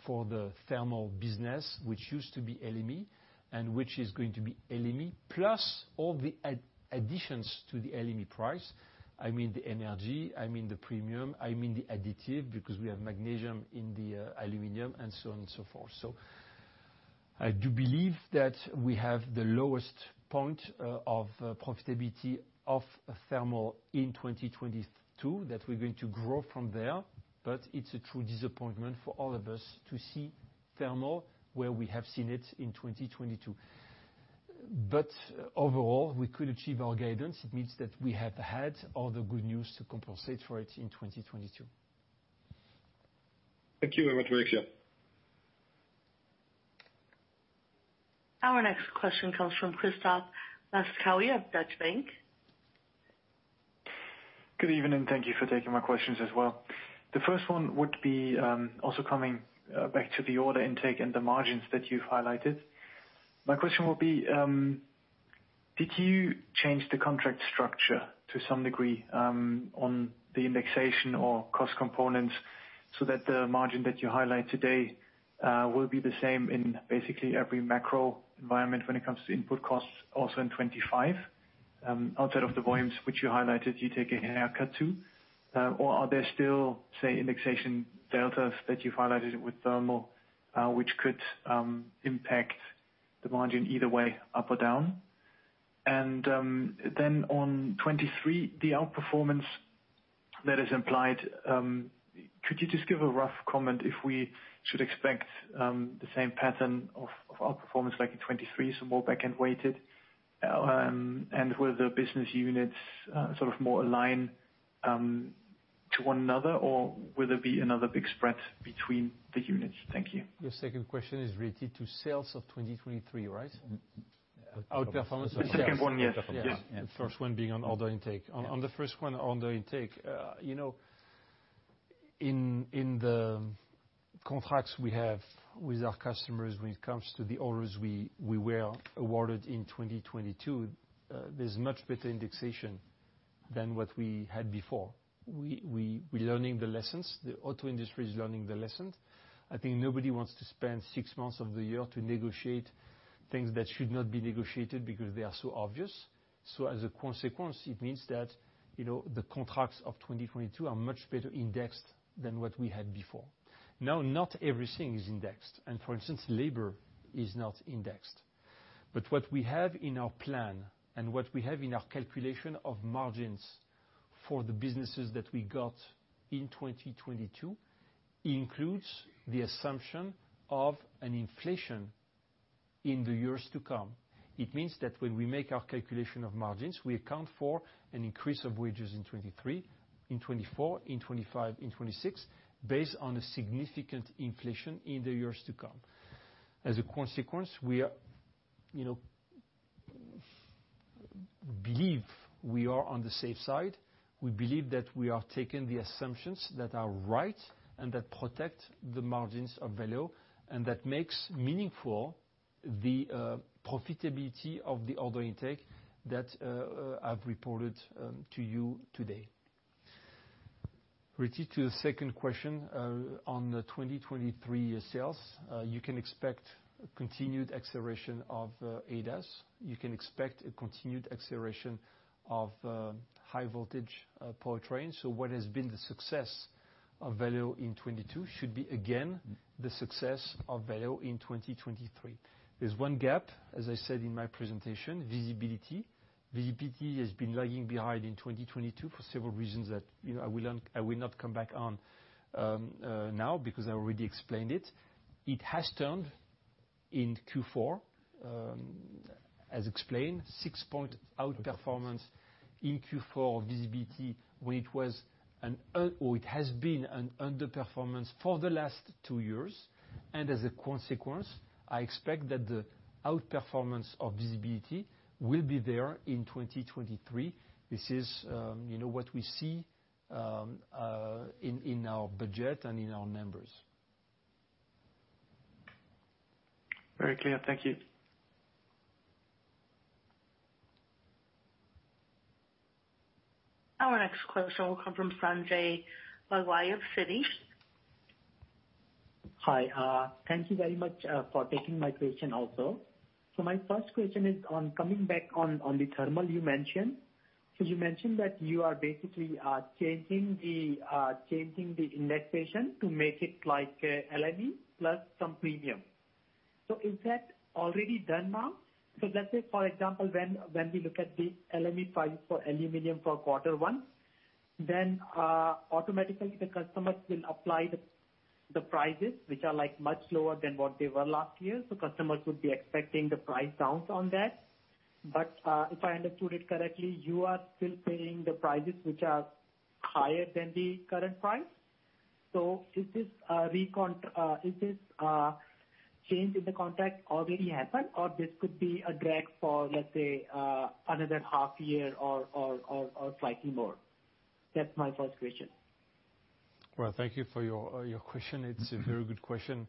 for the thermal business, which used to be LME, and which is going to be LME plus all the additions to the LME price. I mean, the energy, I mean the premium, I mean the additive, because we have magnesium in the aluminum and so on and so forth. I do believe that we have the lowest point of profitability of thermal in 2022, that we're going to grow from there, but it's a true disappointment for all of us to see thermal where we have seen it in 2022. Overall, we could achieve our guidance. It means that we have had all the good news to compensate for it in 2022. Thank you very much, Alexandre. Our next question comes from Christoph Laskawi of Deutsche Bank. Good evening. Thank you for taking my questions as well. The first one would be, also coming back to the order intake and the margins that you've highlighted. My question would be, did you change the contract structure to some degree on the indexation or cost components so that the margin that you highlight today will be the same in basically every macro environment when it comes to input costs also in 25, outside of the volumes which you highlighted you take a haircut to? Are there still, say, indexation deltas that you've highlighted with thermal which could impact the margin either way, up or down? Then on 23, the outperformance that is implied, could you just give a rough comment if we should expect the same pattern of outperformance like in 23, so more back-end weighted? Will the business units sort of more align to one another, or will there be another big spread between the units? Thank you. Your second question is related to sales of 2023, right? Outperformance of sales. The second one, yes. Yes. The first one being on order intake. On the first one on the intake, in the contracts we have with our customers when it comes to the orders we were awarded in 2022, there's much better indexation than what we had before. We're learning the lessons. The auto industry is learning the lessons. I think nobody wants to spend 6 months of the year to negotiate things that should not be negotiated because they are so obvious. As a consequence, it means that the contracts of 2022 are much better indexed than what we had before. Now, not everything is indexed. For instance, labor is not indexed. What we have in our plan and what we have in our calculation of margins for the businesses that we got in 2022 includes the assumption of an inflation in the years to come. It means that when we make our calculation of margins, we account for an increase of wages in 2023, in 2024, in 2025, in 2026, based on a significant inflation in the years to come. As a consequence, we are believe we are on the safe side. We believe that we are taking the assumptions that are right and that protect the margins of Valeo, and that makes meaningful the profitability of the order intake that I've reported to you today. Related to the second question, on the 2023 sales, you can expect continued acceleration of ADAS. You can expect a continued acceleration of high voltage powertrain. What has been the success of Valeo in 2022 should be again the success of Valeo in 2023. There's one gap, as I said in my presentation, visibility. Visibility has been lagging behind in 2022 for several reasons that I will not come back on now because I already explained it. It has turned in Q4, as explained, 6-point outperformance in Q4 visibility when it was or it has been an underperformance for the last two years. As a consequence, I expect that the outperformance of visibility will be there in 2023. This is what we see in our budget and in our numbers. Very clear. Thank you. Our next question will come from Sanjay Bhagwani of Citigroup. Hi. Thank you very much for taking my question also. My first question is on coming back on the thermal you mentioned. You mentioned that you are basically changing the indexation to make it like LME plus some premium. Is that already done now? Let's say for example when we look at the LME price for aluminum for Q1, then automatically the customers will apply the prices which are like much lower than what they were last year. Customers would be expecting the price downs on that. If I understood it correctly, you are still paying the prices which are higher than the current price. Is this, change in the contract already happened, or this could be a drag for, let's say, another half year or slightly more? That's my first question. Well, thank you for your question. It's a very good question.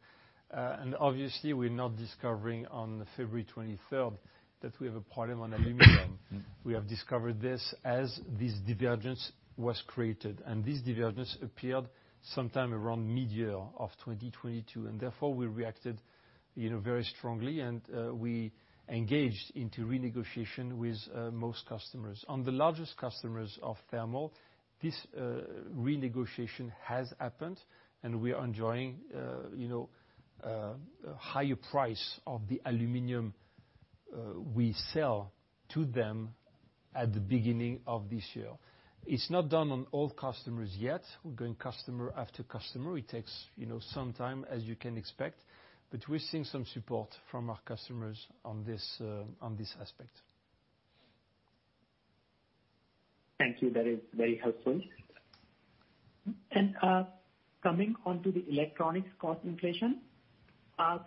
Obviously we're not discovering on February 23rd that we have a problem on aluminum. We have discovered this as this divergence was created, and this divergence appeared sometime around midyear of 2022. Therefore, we reacted very strongly, and we engaged into renegotiation with most customers. On the largest customers of thermal, this renegotiation has happened, and we are enjoying higher price of the aluminum we sell to them at the beginning of this year. It's not done on all customers yet. We're going customer after customer. It takes some time as you can expect. We're seeing some support from our customers on this aspect. Thank you. That is very helpful. Coming onto the electronics cost inflation, are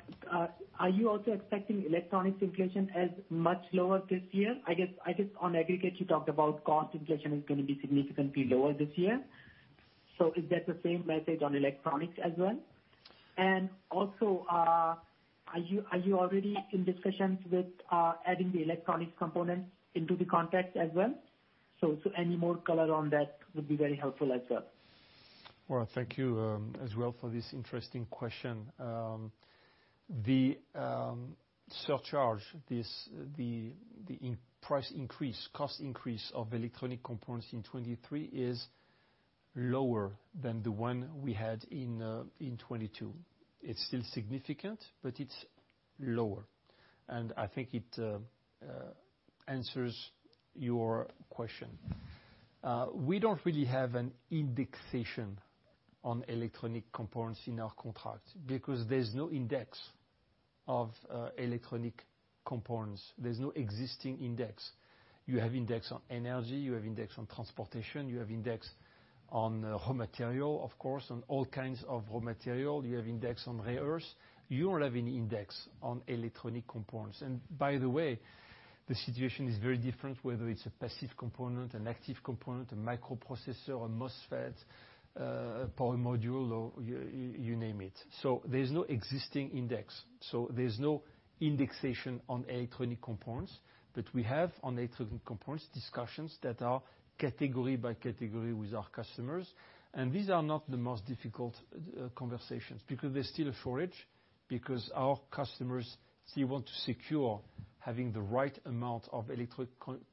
you also expecting electronics inflation as much lower this year? I guess on aggregate you talked about cost inflation is going to be significantly lower this year. Is that the same message on electronics as well? Also, are you already in discussions with adding the electronics components into the contract as well? Any more color on that would be very helpful as well. Well, thank you, as well for this interesting question. The surcharge, the price increase, cost increase of electronic components in 23 is lower than the one we had in 22. It's still significant, but it's lower. I think it answers your question. We don't really have an indexation on electronic components in our contract because there's no index of electronic components. There's no existing index. You have index on energy, you have index on transportation, you have index on raw material, of course, on all kinds of raw material. You have index on rare earths. You don't have any index on electronic components. By the way, the situation is very different, whether it's a passive component, an active component, a microprocessor, a MOSFET, a power module or you name it. So there's no existing index. There's no indexation on electronic components. We have on electronic components discussions that are category by category with our customers. These are not the most difficult conversations because there's still a shortage, because our customers still want to secure having the right amount of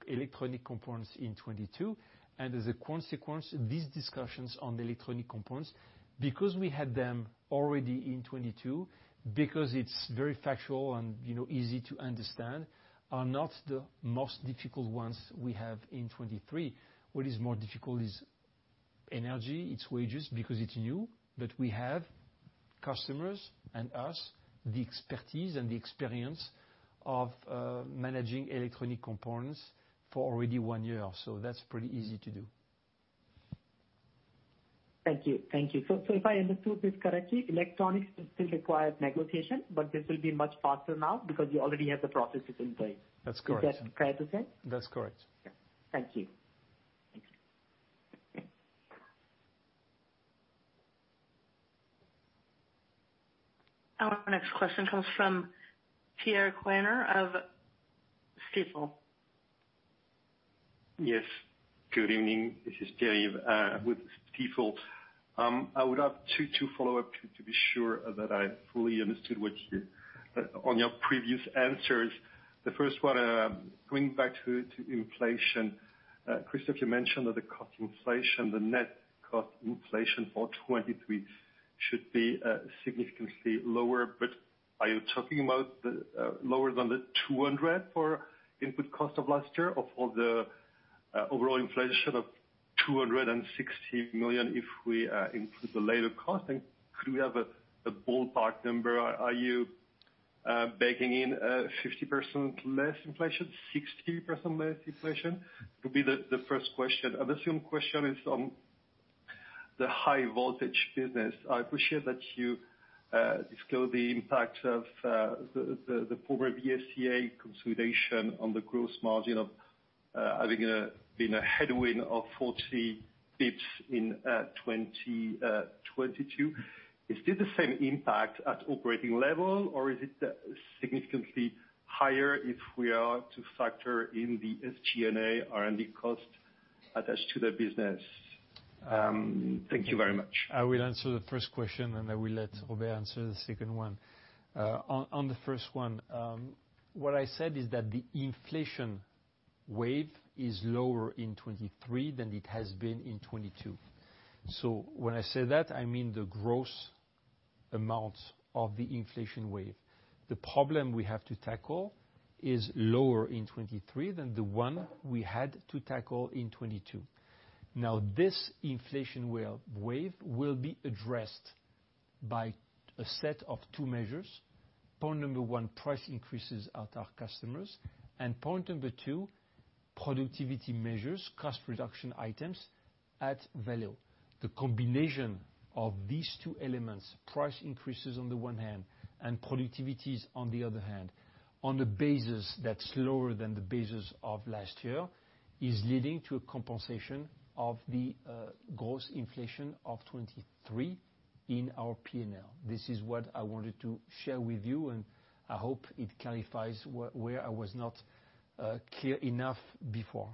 electronic components in 22. As a consequence, these discussions on electronic components, because we had them already in 22, because it's very factual and easy to understand, are not the most difficult ones we have in 23. What is more difficult is energy, it's wages, because it's new. We have, customers and us, the expertise and the experience of managing electronic components for already one year. That's pretty easy to do. Thank you. If I understood this correctly, electronics still requires negotiation, but this will be much faster now because you already have the processes in place. That's correct. Is that fair to say? That's correct. Yeah. Thank you. Thanks. Our next question comes from Pierre-Yves Quemener of Stifel. Yes. Good evening. This is Pierre with Stifel. I would have two follow-up to be sure that I fully understood what you. On your previous answers. The first one, going back to inflation. Christophe, you mentioned that the cost inflation, the net cost inflation for 2023 should be significantly lower. Are you talking about the lower than the 200 for input cost of last year or for the overall inflation of- 260 million, if we include the labor cost, could we have a ballpark number? Are you baking in 50% less inflation, 60% less inflation? Would be the first question. The second question is on the high voltage business. I appreciate that you disclose the impact of the former VSeA consolidation on the gross margin of, I think, been a headwind of 40 basis points in 2022. Is this the same impact at operating level, or is it significantly higher if we are to factor in the SG&A R&D cost attached to the business? Thank you very much. I will answer the first question. I will let Robert answer the second one. On the first one, what I said is that the inflation wave is lower in 23 than it has been in 22. When I say that, I mean the gross amount of the inflation wave. The problem we have to tackle is lower in 23 than the one we had to tackle in 22. Now, this inflation wave will be addressed by a set of two measures. Point number one, price increases at our customers. Point number two, productivity measures, cost reduction items at Valeo. The combination of these two elements, price increases on the one hand and productivities on the other hand, on a basis that's lower than the basis of last year, is leading to a compensation of the gross inflation of 23 in our P&L. This is what I wanted to share with you. I hope it clarifies where I was not clear enough before.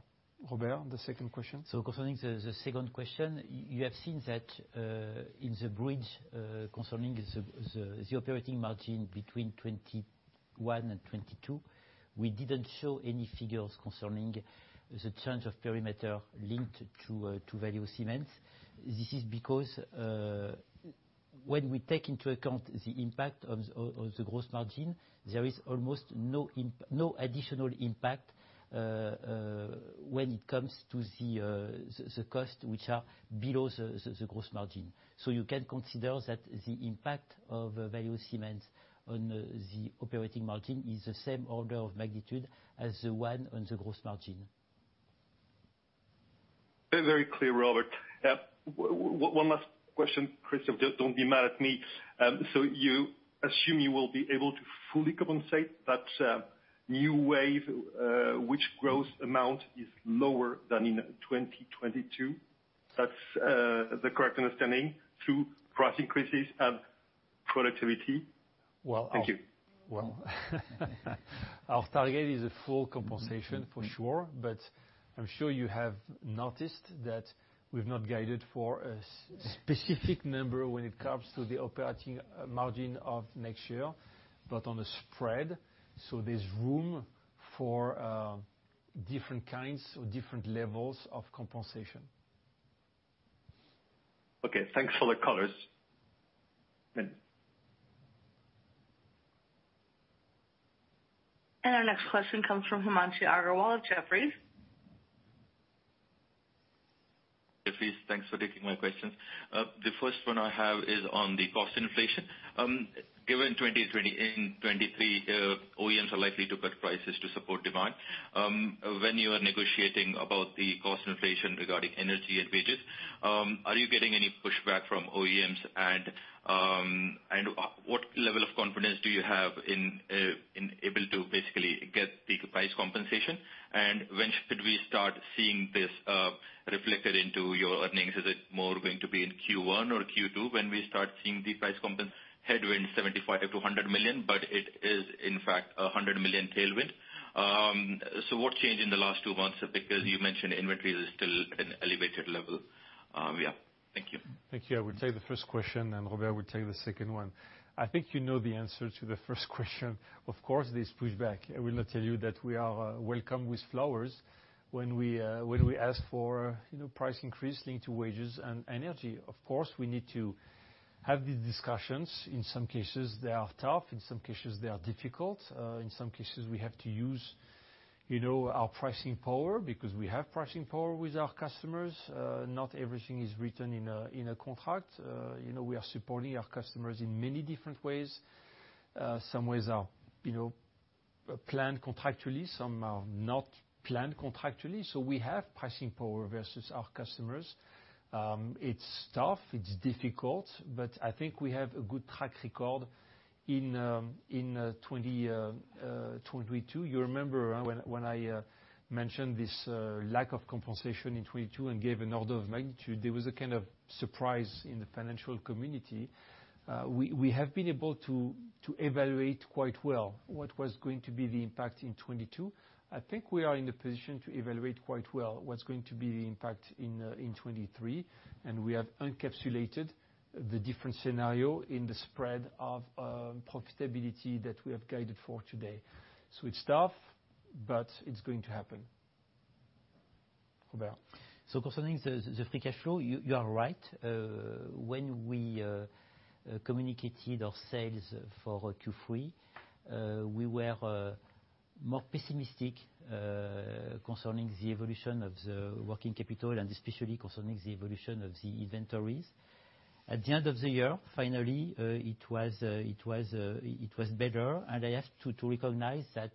Robert, the second question. Concerning the second question, you have seen that in the bridge, concerning the operating margin between 21 and 22, we didn't show any figures concerning the change of perimeter linked to Valeo Siemens. This is because when we take into account the impact of the gross margin, there is almost no additional impact when it comes to the cost which are below the gross margin. You can consider that the impact of Valeo Siemens on the operating margin is the same order of magnitude as the one on the gross margin. Very clear, Robert. One last question. Christophe, don't be mad at me. You assume you will be able to fully compensate that new wave, which growth amount is lower than in 2022? That's the correct understanding through price increases and productivity? Well- Thank you. Our target is a full compensation, for sure. I'm sure you have noticed that we've not guided for a specific number when it comes to the operating margin of next year, but on a spread. There's room for different kinds or different levels of compensation. Okay. Thanks for the colors. Mm. Our next question comes from Himanshu Agarwal of Jefferies. Jefferies, thanks for taking my questions. The first one I have is on the cost inflation. Given in 2023, OEMs are likely to cut prices to support demand. When you are negotiating about the cost inflation regarding energy and wages, are you getting any pushback from OEMs? What level of confidence do you have in able to basically get the price compensation? When should we start seeing this reflected into your earnings? Is it more going to be in Q1 or Q2 when we start seeing the price headwind 75 million-100 million, but it is in fact a 100 million tailwind? What changed in the last two months? Because you mentioned inventory is still at an elevated level. Thank you. Thank you. I will take the first question. Robert will take the second one. I think the answer to the first question. Of course, there's pushback. I will not tell you that we are welcomed with flowers when we ask for price increase linked to wages and energy. Of course, we need to have these discussions. In some cases, they are tough. In some cases, they are difficult. In some cases, we have to use our pricing power because we have pricing power with our customers. Not everything is written in a contract. We are supporting our customers in many different ways. Some ways are planned contractually, some are not planned contractually. We have pricing power versus our customers. It's tough, it's difficult, but I think we have a good track record in 2022. You remember when I mentioned this lack of compensation in 2022 and gave an order of magnitude, there was a kind of surprise in the financial community. We have been able to evaluate quite well what was going to be the impact in 2022. I think we are in a position to evaluate quite well what's going to be the impact in 2023. We have encapsulated the different scenario in the spread of profitability that we have guided for today. It's tough, but it's going to happen. Robert. Concerning the free cash flow, you are right. When we communicated our sales for Q3, we were more pessimistic concerning the evolution of the working capital and especially concerning the evolution of the inventories. At the end of the year, finally, it was better. I have to recognize that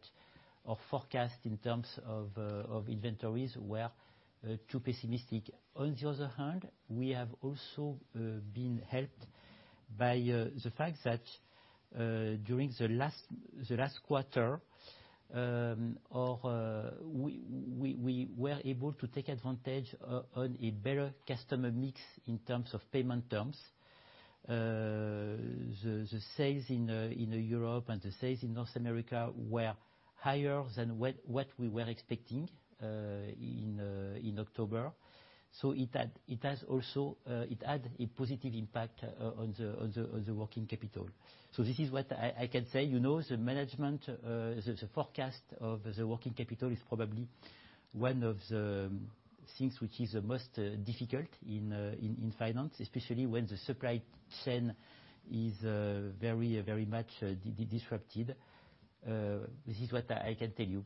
our forecast in terms of inventories were too pessimistic. On the other hand, we have also been helped by the fact that during the last quarter, or we were able to take advantage on a better customer mix in terms of payment terms. The sales in Europe and the sales in North America were higher than what we were expecting in October. It has also, it had a positive impact on the working capital. This is what I can say. The management, the forecast of the working capital is probably one of the things which is the most difficult in finance, especially when the supply chain is very much disrupted. This is what I can tell you.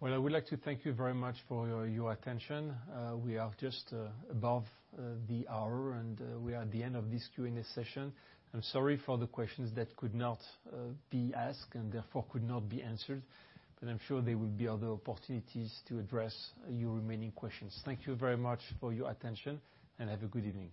Well, I would like to thank you very much for your attention. We are just above the hour, and we are at the end of this Q&A session. I'm sorry for the questions that could not be asked and therefore could not be answered, but I'm sure there will be other opportunities to address your remaining questions. Thank you very much for your attention, and have a good evening.